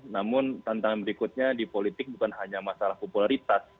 namun tantangan berikutnya di politik bukan hanya masalah popularitas